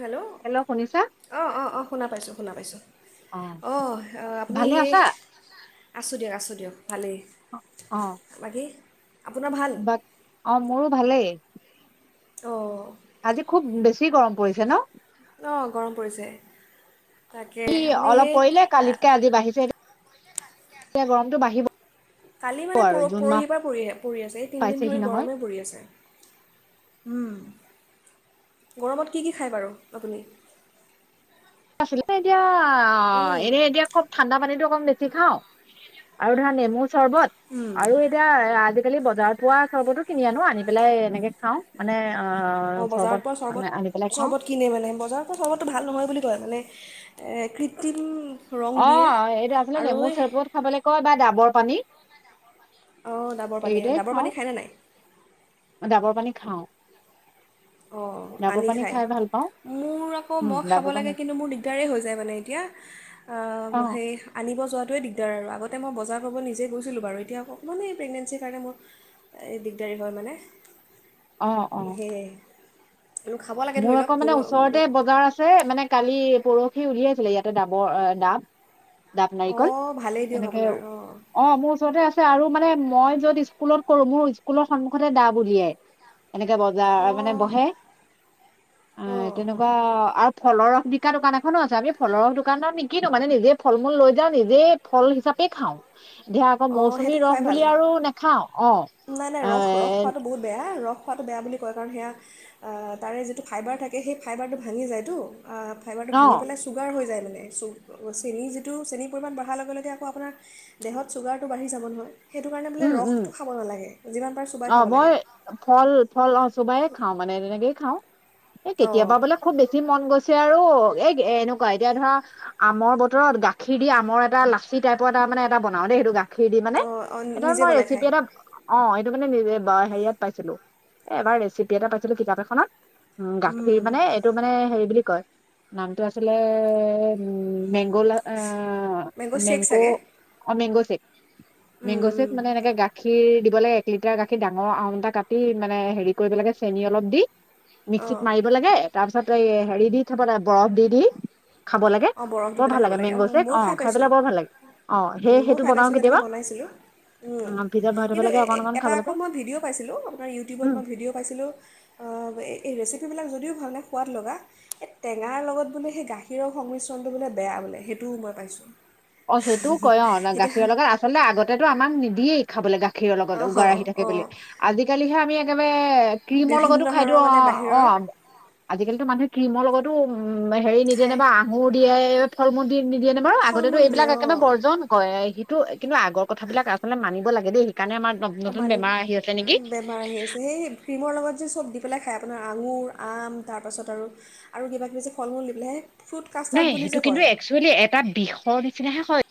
Hello hello শুনিছা অ' অ' অ' শুনা পাইছো শুনা পাইছো অ' আপুনি ভালে সেই আছা আছো দিয়ক আছো দিয়ক। ভালেই, বাকী? আপোনাৰ ভাল বা অ' মোৰো ভালেই। অহ আজি খুব বেছি গৰম পৰিছে ন? অ' গৰম পৰিছে। ই তাকেই আপুনি সেই এয়া গৰমতটো বাঢ়িব। কালি মানে আৰু পৰ জুন মাহ পৰহিৰ পৰা পৰি পৰি আছে এই তিনিদিন পাইছেহি ধৰি নহয় গৰমেই পৰি আছে। উম গৰমত কি কি খায় বাৰু আপুনি? আচলতে এতিয়া অ' অ' এনে এতিয়া খুব ঠাণ্ডা পানীতো বেছি খাও আৰু ধৰা নেমু চৰ্বত আৰু এতিয়া আ আজিকালি বজাৰত হোৱা চৰ্বতো কিনি আনো আনি পেলাই এনেকে খাও মানে অ অ' বজাৰত পোৱা মানে চৰ্বত আনি পেলাই খাওঁ চৰ্বত কিনে মানে বজাৰত পৰা চৰ্বতো ভাল নহয় বুলি কোৱা মানে কৃত্ৰিম ৰং দিয়ে অ' এইটো আচলতে আৰু নেমু এই চেৰপত খাবলৈ কয় বা ডাবৰ পানী অ' ডাবৰ পানী এইকেইটাই ডাবৰ খাওঁ পানী খায় নে নাই। ডাবৰ পানী খাও। অ' আনি খায় মোৰ আকৌ উম মই খাব ডাবৰ পানী লাগে কিন্তু মোৰ দিগদাৰেই হৈ যায় মানে এতিয়া অ সেই আনিব যোৱাটোৱেই দিগদাৰ আৰু আগত আগতে মই বজাৰ কৰিব নিজে গৈছিলো বাৰু এতিয়া অকণমান প্ৰেগনেঞ্চিৰ কাৰণে মোৰ দিগদাৰী হয় মানে। অ অ সেইয়াই। মোৰ আকৌ মানে ওচৰতে বজাৰ আছে, মানে কালি পৰ সি উলিয়াইছিলে ইয়াতে, ডাবৰ ডাব ডাব নাৰিকল, অঁ ভালেই দিয়ক এনেকে আপোনাৰ অঁ অ', মোৰ ওচৰতে আছ আৰু মানে মই য'ত স্কুলত কৰো, মোৰ স্কুলৰ সন্মুখতে ডাব উলিয়াই। এনেকে বজাৰ মানে অঁ বহে আই, অঁ তেনেকুৱা আৰু ফলৰ ৰস বিকা দোকান এখনো আছে। আমি ফলৰ ৰস দোকানত নিকিনো মানে, নিজে ফল মূল লৈ যাওঁ, নিজে ফল হিচাপে খাওঁ। ধিয়া আকৌ অঁ মৌচুমী সেইটো খুৱাই ৰস বুলি ভাল আৰু নাখাওঁ, নাই নাই অ', ৰস ৰস এ খোৱাটো বহুত বেয়া ৰস খোৱাটো বেয়া বুলি কয় কাৰণ সেয়া, তাৰে যিটো ফাইবাৰ থাকে, সেই ফাইবাৰটো ভাঙি যায়তু। আ, ফাইভাৰটো অ ভাঙি পেলাই ছুগাৰ হৈ যায় মানে। [unintelligible] চেনি যিটো, চেনিৰ পৰিমাণ বঢ়াৰ লগে লগে আকৌ আপোনাৰ দেহত চুগাৰটো বাঢ়ি যাব নহয়। সেইটো কাৰণে বোলে উম উম ৰসটো খাব নালাগে, যিমান পাৰে চোবাই খাব লাগে। চোবাইয়ে খাওঁ মানে, তেনেকেই খাওঁ। এ অঁ কেতিয়াবা বোলে খুব বেছি মন গৈছে আ আৰু, এ-এনেকুৱা এতিয়া ধৰা আমৰ বতৰত গাখীৰ দি আমৰ এটা লাচি টাইপৰ এটা মানে এটা বনাওঁ দেই, সেইটো গাখ [unintelligible] দি মানে। অঁ অঁ [unintelligible] নিজে মই বনাই ৰেচিপি খায় এটা [inaudible] অ', এইটো মানে নিজ বা হেৰিয়াত পাইছিলোঁ। এবাৰ ৰেচিপি এটা পাইছিলোঁ কিতাপ এখনত উ উম, গাখীৰ মানে এইটো মানে হেৰি বুলি কয় নামটো আছিলে এ উম মেংগ' লা অ' শ্বেক মেংগ', চাগে অ মেংগ' চেক। উম মেংগ'চেক উম, মানে এনেকে গাখীৰ দি [unintelligible] এক লিটাৰ গাখীৰ ডাঙৰ আম এটা কাটি, মানে হেৰি কৰিব লাগে, চেনি অলপ দি অঁ মিক্সিত মাৰিব লাগে তাৰ পিছত এই হেৰি দি থব লাগে, বৰফ দি দি খাব লাগে, অঁ বৰফ দি বৰ পেলাই ভাল খাব লাগে অঁ, মেংগ' চেক, ময়ো অ', খাই পাইছোঁ পেলাই বৰ ভাল লাগে। অ, সেই সেইটো বনাও কেতিয়াবা লোঁ। উ উম, ফ্ৰিজত ভৰাই থ'ব কিন্তু লাগে অকণ অকণ এটা খাব আকৌ লাগে মই ভিডিঅ' পাইছিলোঁ, আপোনাৰ ইউটিউবত উম মই ভিডিঅ' পাইছিলোঁ, অ' এই ৰেচিপিবিলাক যদিও [unintelligible] সোৱাদ লগা, এই টেঙাৰ লগত বোলো সেই গাখীৰৰ সংমিশ্ৰণটো বোলে বেয়া বোলে, সেইটোও মই পাইছোঁ। অ, সেইটোও কয় অ, এতিয়া গাখীৰৰ লগত আচলতে আগতেতো আমাক নিদিয়ে খাবলৈ গা খীৰৰ লগত, অঁ উগাৰ আহি থাকে অঁ বুলি। আজিকালিহে আমি [unintelligible] ক্ৰীমৰ বিভিন্ন লগতো খাই দিও ধৰণৰ মানে অ' অ' বাহিৰৰ আজিকালিটো মানুহে ক্ৰীমৰ লগতো উম হেৰি নিদিয়েনে খায় বা আঙুৰ দিয়াই। ফল মূল দি। নিদিয়ে নে বাৰু ফল আগতে মূল দিয়ে এইবিলাক একেবাৰে অঁ বৰ্জন কৰে। সেইটো কিন্তু আগৰ কথা বিলাক আচলতে মানিব লাগে দেই। সেইকাৰণে আমাৰ অ নতুন মালিম, বেমাৰ আহি আছে নেকি বেমাৰ আহি আছে, সেই ক্ৰীমৰ লগত যে চব দি পেলাই খাই আপোনাৰ আঙুৰ, আম তাৰপাছত আৰু আৰু কিবাকিবি যে ফল মূল দি পেলাইহে। নাই, সেইটো কিন্তু একচুৱেলি এটা বিষৰ নিচিনাহে হয়।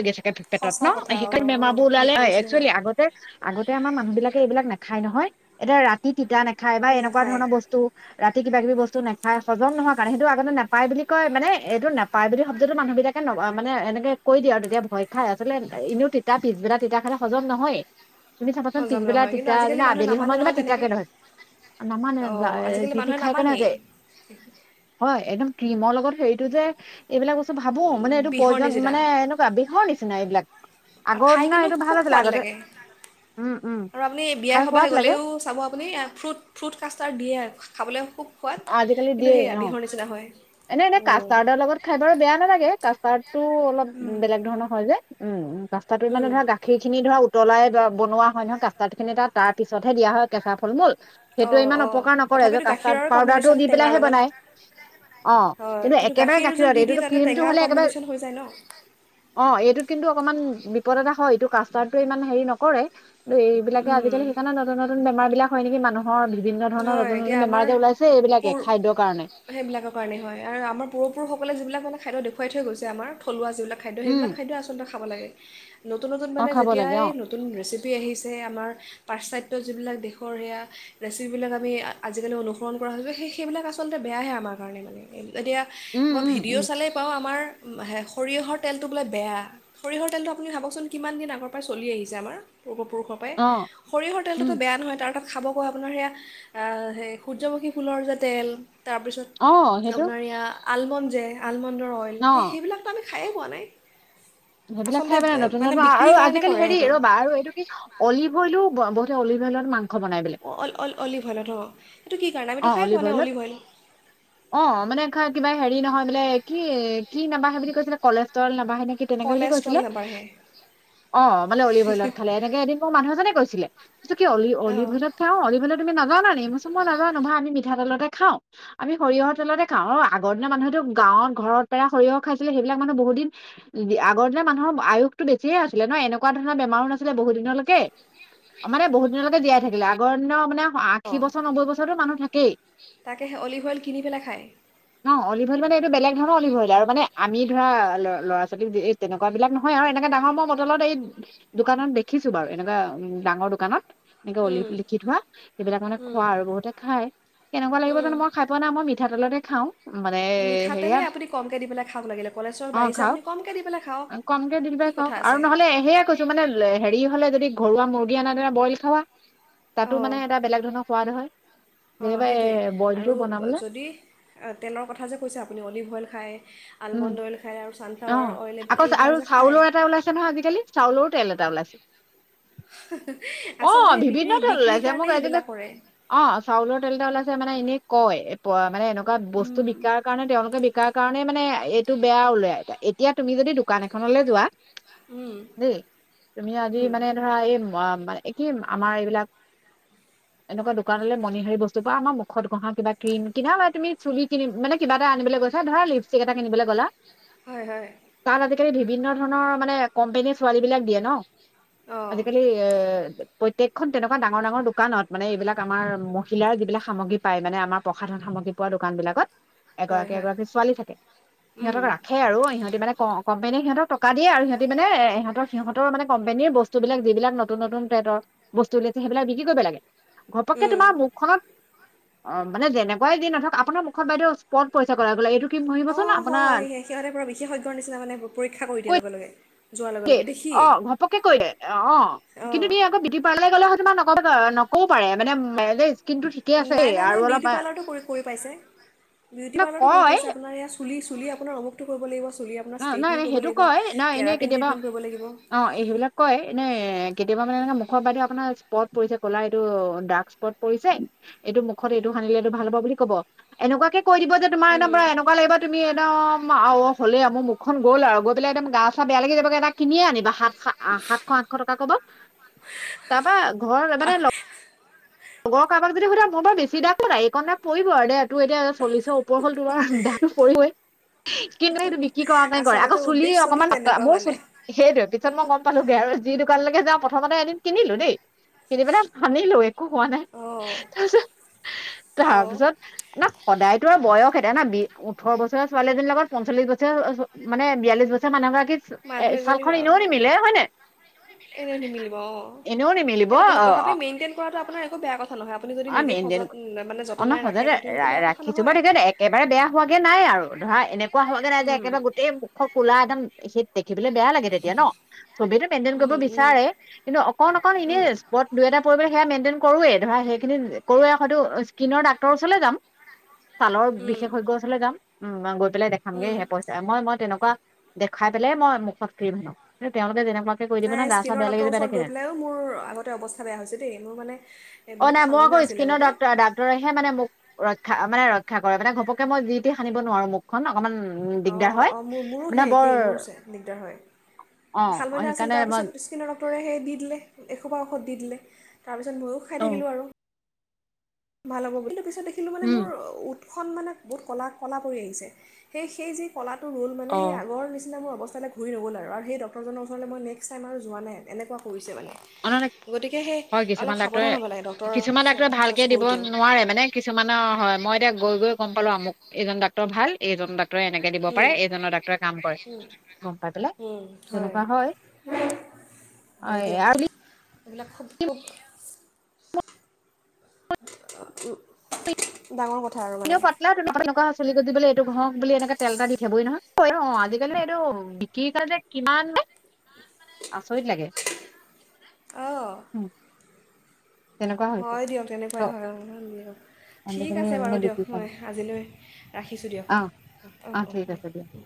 [unintelligible] পেটত সঁচা ন কথা সেইকাৰণে অঁ বেমাৰ অঁ বোৰ ওলালে বিষৰ নিচিনা হয় একচুৱেলি আগতে‌ আগতে আমাৰ মানুহ বিলাকে এই বিলাক ন খায় নহয়, এতিয়া ৰাতি তিতা নাখায় বা এনেকুৱা নাখায় ধৰণৰ বস্তু ৰাতি কিবা কিবি বস্তু নাখায়। হজম নোহোৱা কাৰণে সেইটো আগতে নাপায় বুলি কয় মানে, এইটো নাপায় বুলি শব্দটো মানুহ বিলাকে মানে এনেকে কৈ দিয়ে আৰু। এতিয়া ভয় খাই, আচলতে এ-এনেও তিতা পিছবেলা তিতা খালে হজম নহয়েই। তুমি চাবাচোন হজম পিছবেলা নহয় কিন্তু তিতয়া আজিকালি যোন মানুহে আবেলি নামানে সময়ত যেবা নহয় তেনেকৈ তিতাকে নহয় নামানে অঁ আজিকালি দি টি মানুহে খাই কাৰনেেহ নামানেই যায় হয় একদম ক্ৰীমৰ লগত হেৰিটো যে, এইবিলাক বস্ত ভাবো, মানে এইটো বিষৰ প্ৰয়োজন নিচিনা মানে এইটো বিহৰ নিচিনা এইবিলাক। আৰু খাই কিন্তু এইটো ভাল খুব আছিলে সোৱাদ আগতে লাগে, উম উম আৰু আপুনি খাই বিয়াই সভায়ে সোৱাদ লাগে গ'লেও, চাব আপুনি ফ্ৰুট ফ্ৰুট কাস্টাৰ্ড দিয়ে আৰু খাবলৈ খুব সোৱাদ, কিন্তু সেইয়া বিহৰ নিচিনা হয়। এনে-এনে উম কাষ্টাৰ্ডৰ লগত খাই বাৰু বেয়া নালাগে, কা পাৰ্ক টো, অলপ উম বেলেগ ধৰণৰ হয় যে। উম, উ। ৰাস্তাটো মানে উম ধৰা, গাখীৰ খিনি ধৰা উ উতলাই বনোৱা হয় নহয় কাস্টাৰ্ডখিনি তাত, তাৰ পিছতহে দিয়া হয় কেচা ফল মূল। সেইটোৱে অঁ ইমান অঁ অপকাৰ নকৰে যে, তথাপিতো কাষ্টাৰ্ড গাখীৰৰ পাউদাৰটো কম্বিনেশ্যন দি টেঙাৰ পেলাইহে লগত বনায়। অ' হয় কিন্তু একেবাৰে গাখীৰ যদি গাখীৰত দি দিয়ে এইটোতো তাতে ক্ৰীম টো টেঙাৰ হ'লে একেবাৰে, কম্বিনেশ্যন হৈ যায় ন অ' এইটোত কিন্তু অকমান বিপদ এটা হয়, এইটো কাস্টাৰ্ডটোৱে ইমান হেৰি নকৰে। এইবিলাকেজিকাল উম সেইকাৰণে নতুন নতুন বেমাৰিলাক হয় নেকি মানুহ? অ' বিভিন্ন ধৰণৰ হয় এতিয়া নতুন-নতুন আমাৰ বেমাৰ যে ওলাইছে পুৰ এইবিলাকে খাদ্যৰ কাৰণে। সেইবিলাকৰ কাৰণে হয় আৰু আমাৰ পূৰ্বপুৰুষসকলে যিবিলাক মানে খাদ্য দেখুৱাই থৈ গৈছে আমাৰ, থলুৱা যিবিলাক খাদ্য সেইবিলাক উম, খাদ্য আচলতে খা খাব লাগে। নতুন-নতুন অ', মানে খাব যেতিয়া লাগে এই অ', নতুন ৰেচিপি আহিছে আমাৰ পাশ্চাত্যৰ যিবিলাক দেশৰ সেয়া যিবিলাক আমি আজিকালি অনুসৰণ কৰা হৈ, সেই-সেইবিলাক আচলতে বেয়াহে আমাৰ কাৰণে। এতিয়া উম, মই উম, ভিডিঅ' উম, চালেই পাওঁ আমাৰ সৰিয়হৰ তেলটো বোলে বেয়া, সৰিয়হৰ তেলটো আপুনি ভাবকচোন কিমান দিন আগৰ পৰাই চলি আহিছে আমাৰ। পূৰ্বপুৰুষৰ পৰাই, অ', সৰিয়হৰ তেলটোতো উম, বেয়া নহয় তাৰ তাত খাব পোৱা আপোনাৰ সেয়া সেই সূৰ্যমুখী ফুলৰ যে তেল অ', তাৰপিছত সেইটো আপোনাৰ এইয়া আলমণ্ড যে আলমণ্ড [unintelligible] অ', সেইবিলাক মানুহে খায়ে পোৱা নাই। সেইবিলাক আচলতে খাই পেলাই মানে নতুন-নতুন বিক্ৰীৰ আৰু কাৰণে আজিকালি কৰে হেৰি সেইটো ৰ'বা আৰু এইটো কি অলিভইলও বহুত অলিভয়ল মা অ- অল- অল- অলিভইলট অ', এইটো কি? কাৰণে আমিতো অহ, খাই অলিভ পোৱা নাই অইলত অইল অহ, মানে কিবা হেৰি নহয় বোলে কি কি, কি নাবাঢ়ে বুলি কৈছিলে কলেষ্ট্ৰল নাবা বাঢ়ে নেকি তেনেকে বুলি কৈছিলে। কলেষ্ট্ৰল নাবাঢ়ে অহ, মানে অলিভ অইলত খালে এনেকে এদিন মোক মানুহ এজনে কৈছিলে। ছিলে এইতো কি অলি-অলিভ অঁ অইলত খাওঁ অলিভ অইলত তুমি নাজানা নেকি, মই কৈছোঁ মই নাজানোঁ। নহয় আমি মিঠা তেলতে খাওঁ। আমি সৰিয়হৰ তেলতে খাওঁ অহ, আগৰ দিনৰ মানুহেতো গাঁৱত ঘৰত পেৰা সৰিয়হ খাইছিলে, সেইবিলাক মানুহ বহুত দিন, আগৰ দিনৰ মানুহৰ আয়ুসটো বেছিহে আছিলে ন' এনেকুৱা ধৰণৰ বেমাৰো নাছিলে বহুত দিনলৈকে, মানে বহুত দিনলৈকে জীয়াই থাকিলে আগৰ দিনৰ মানে আশী অঁ বছৰ নব্বৈ বছৰ হেই টো মানুহ থাকেই, তাকে সেই অলিভ অইল কিনি পেলাই খায় ন' অলিভ অইল মানে এইটো বেলেগ ধৰণৰ অলিভ অইল আৰু মানে আমি ধৰা ল'ৰা-ছোৱালীক তেনেকুৱাবিলাক নহয় আৰু এনেকা ডাঙৰ মই বটলত এই দোকানত দেখিছোঁ বাৰু এনেকুৱা উম, ডাঙৰ দোকানত। এনেকে অলিভ লিখি কি থোৱা, সেইবিলাক মানে খোৱা আৰু বহুতে খাই কেনেকুৱা লাগিব জানোঁ মই খাই পোৱা নাই। মই মিঠাতেলতে খাওঁ। মানে হেয়া মিঠাতেলেই আপুনি কমকৈ দি পেলাই খাওক লাগিলে কলেষ্ট্ৰল অহ, বাঢ়িছে খাওঁ। আপুনি কমকৈ দি পেলাই খাওক কমকে দি কি পেলাই খাওঁ কথা আৰু আছে নহ'লে, সেয়া কৈছো মানে হেৰি হ'লে যদি ঘৰুৱা মূৰ্গি আনা দৰে ব্ৰইল খাৱা। তাতো মানে এটা বেলেগ ধৰণৰ সোৱাদ হয়। অহ, যেনিবা এ সেইটোৱে বইলটো আৰু বনাবলে যদি তেলৰ কথা যে কৈছে আপুনি অলিভ অইল খায়। [inaudible] উম আলমণ্ড অইল খায় আৰু ছানফ্লাৱাৰ অ', অইল এইবিলাক আকৌ চা এইবিলাক আৰু যে খায় চাউলৰ এটা ওলাইছে নহয় আজিকালি, চাউলৰ তেল এটা ওলাইছে। আচলতে অ' সেই বিভিন্ন বিক্ৰী তেল বিক্ৰীৰ ওলাইছে, কাৰণে মোক এজনী, সেইবিলাক কৰে অ', চাউলৰ তেল এটা ওলাইছে। [unintelligible] মানে এনেই কয়। বা মানে এনেকুৱা বস্তু উম, বিকাৰ কাৰণে তেওলোকে [inaudible] কাৰ কাৰণে মানে এইটো বেয়া ওলাই। এতিয়া তুমি যদি দোকান এখনলৈ যোৱা উম, দেই, তুমি আজি উম, মানে ধৰা এই মাম মানে একেই, আমাৰ এইবিলাক, এনেকুৱা দোকানলৈ মণিহাৰি বস্তুৰ পৰা আমাৰ মুখত ঘঁহা কিবা ক্ৰীম কিবা লয় তুমি চুলি কিনিম মানে কিবা এটা আনিবলৈ গৈছা ধৰা লিপষ্টিক এটা কিনিবলৈ গ'লা। হয় হয়। তাত বিভিন্ন ধৰণৰ মানে কম্পেনীৰ ছোৱালীবিলাক দিয়ে ন? অঁ আজিকালি ইয়ে প্ৰত্যেকখন তেনেকুৱা ডাঙৰ ডাঙৰ দোকানত, মানে এইবিলাক আমাৰ মহিলাৰ যিবিলাক সামগ্ৰী পায় মানে আমাৰ প্ৰসাধন সামগ্ৰী পোৱা দোকান বিলাকত। হয় এগৰাকী হয় এগৰাকী ছোৱালী থাকে, উম, সিহঁতক ৰাখে আৰু। ক কম্পেনীয়ে সিহঁতক টকা দিয়ে আৰু সিহঁতি মানে ইহঁতৰ সিহঁতৰ ও‌ মানে কম্পেনীৰ বস্তুবিলাক যিলাক নতুন নতুন ট্ৰেডৰ বস্তু ওলিয়াইছে, সেইবিলাক বিক্ৰী কৰিব লাগে। ঘপককে উম, তোমাৰ মুখখনত। অ' মানে যেনেকোৱাই যি, [unintelligible] আপোনাৰ মুখত বাইদেউ স্পট পৰিছে ক'লা ক'লা এইটো। কি মৰিবচোন অ', হয় আপোনাৰ হয়। সিহঁতে [unintelligible] বিশেষজ্ঞৰ নিচিনা মানে পৰীক্ষা কৰি কৈ দিয়ে লগে লগে। যোৱাৰ লগে লগে [unintelligible] দেখিয়ে অ' ঘপকে কৈ দিয়ে অ', অঁ তুমি আকৌ বিউটি পাৰ্লাৰলৈ গ'লা তোমাৰ [unintelligible] পাৰে মানে মেৰেজ নাই, নাই, নাই। বিউটি পাৰ্লাৰতো কৰি কৰি পাইছে, বিউটি মানে পাৰ্লাৰতো কৰি কয় পাইছে আপোনাৰ এয়া চুলি, চুলি আপোনাৰ অমুকটো কৰিব লাগিব চুলি আপোনাৰ অ' নাই ষ্ট্ৰেইটনিং নাই। কৰিব সেইটো লাগিব কয়, নই এনে কেৰাটিন কেতিয়াবা ট্ৰিটমেণ্ট কৰিব লাগিব অ' এই সেইবিলাক কয়, এনেই ইহ কেতিয়াবা মানে এনে মুখত বাইদ' আপোনাৰ স্পট পৰিছে ক'লা এইটো ডাৰ্ক স্পট পৰিছে, এইটো মুখত এইটো সানিলে এইটো ভাল হ'ব বুলি ক'ব। এনেকুৱাকে কৈ দিব যে তোমাৰ এদম উম, পুৰা এনেকুৱা লাগিব তুমি এদম আও হলে, গ'ল আৰু গৈ পেলাই এদম গা-চা বেয়া লাগি যাবগে, এটা কিনিয়ে আনিবা সাত সা-আ সাতশ, আঠশ টকা ক'ব তাৰপা ঘৰ [unintelligible] লগৰ কাৰোবাক যদি সুধে মোৰ বাৰু বেছি দাগ নাই, এইকণ দাগ পৰিব আৰু দে। তোৰ এতিয়া চল্লিছৰ ওপৰ হ'ল, তোমাৰ দাগ পৰিবই। কিন্ত এইটো বিক কি কৰানে কৰে। আকৌ আচলতে চুলি উদ্দেশ্যটো অকমান তেনেকুৱা মোৰ মানে চুলি - সেইটোৱে পিছত মই গম পালোগে আৰু। যি দোকানলৈকে যাওঁ। প্ৰথমতে এদিন কিনিলোঁ দেই কিনি পেলাই সানিলোঁ এ একো হোৱা নাই। অঁ তাৰ পিছত, তাৰ অঁ পিছত না সদায়তো আৰু বয়স এটা না বি ওঠৰ বছৰ ছোৱালীজনীৰ লগত পঞ্চল্লিশ বছৰীয়া অ' হ মানে বিয়াল্লিশ বছৰ মানুহ গৰাকী এ ছাল খন এনেও নিমিলে হয় নে? এনে নিমিলিব অ এনেও নিমিলিব এ তথা তথাপি মেইনটেইন কৰাতোঁ আপ কোনো একো বেয়া কথ অ মেইনটেইন অ ন ৰাখে সজৰে তেতিয়া ৰা সেইটো বেয়া কথা ৰাখিছো বাত নহয় এতিয়া একেবাৰে বেয়া হোৱাগে নাই আৰু ধৰা এনেপ কোৱা হয়াগে নাই যে উম একেবাৰে গোটেই মুখখন ক'লা একদম এসিতেক সেই বুলি বেয়া লাগে তেতিয়া ন চবেই তো মেইনটেইন কৰিব উম উম বিচাৰে, কিন্তু অকণ অকণ এনেই উম স্পট দুই এটা পৰিব থাকে সেয়া মেইনটেইন কৰোৱে ধৰা সেই কিন্তু, [unintelligible] সৈটো স্কিনৰ ডাক্তৰৰ ওচৰলৈ যাম ছালৰ উম বিশেষজ্ঞৰ ওচৰলৈ যাম [inaudible] [unintelligible] দেখাম গে উম [unintelligible] মই, মই তেনেকুৱা দেখাই পেলাই মই মুখত ক্ৰীম লওঁ। কিন্তু তেওঁলোকে যেনে নাই স্কিনৰ ডক্টৰৰ ওচৰত গৈ পেলাইও মোৰ আগতে অৱস্থা বেয়া হৈছে দেই, মোৰ মানে অ' বহুত নাই, মই শালমইনা আকৌ আছিলে স্কিনৰ আগতে ডাক্ত ডাক্তৰেহে মানে মোক ৰ‌ইখ খা মানে ৰক্ষা কৰে, মানে ঘপকে মই যি টি সানিব নোৱাৰো মুখখন, অকনমান অ', অ মোৰ মোৰো সেই একেই, মোৰো চেম, দিগদাৰ হয়। অ অ, শালমইনা আছিল, সেইকাৰণে মই তাৰপিছত স্কিনৰ ডক্টৰে সেই দি দিলে, এসোপা ঔষধ দি দিলে। তাৰপিছত ময়ো খাই অ থাকিলো আৰু ভাল হ'ব বুলি [unintelligible] দেখিলোঁ মানে মোৰ উম ওঁঠ খন মানে বহুত ক'লা ক'লা পৰি আহিছে, সেই সেই যি ক'লাত ৰ'ল মানে, অ সেই আগৰ নিচিনা মোৰ অৱচ পিছলে ঘূৰি নগ'ল আৰু। আৰ সেই ডক্তৰজনৰ ওচৰলৈ মই নেক্সট টাইম আৰু যোৱা নাই, এনেকুৱা কৰিছে মানে। ন গতিকে সেই হয় অলপ কিছুমান ডাক্তৰে সাৱধান হ'ব লাগে ডক্টৰৰ কিছুমান ডাক্তৰে ভালকে [unintelligible] দিব নোৱাৰে মানে কিছুমানৰ হয় মই এতিয়া গৈ গৈ গম পালো আমুক এইজন ডাক্তৰ ভাল এইজন ডাক কৰে এনেকে দিব পাৰে উম, এইজনৰ ডাক্টৰৰ কাম কৰে, গম পাই পেলাই তেনেকুৱা হয়, হয় [unintelligible] এইবিলাক খুব খুব উম, ডাঙৰ ক এনেও পাতলা [unintelligible] হৈছে। চুলি গজিবলৈ এইটো ঘঁহক বুলি এনেকে তেল এটা দি থ'বই নহয়, অ', আজিকালি এইটো বিক্ৰী কাৰণে কিমান আচৰিত লাগে। অ'। উম, তেনেকুৱা হৈছে হয় দিয়ক ত তেনেকুৱাই হয়, অ', দিয়ক ঠিক আজিকালি আছে বাৰু মানে দিয়ক, বিক্ৰী মই কাৰণে আজিলৈ ৰাখিছোঁ দিয়ক, অ অ', অ', ঠিক আছে দিয়া দিয়ক।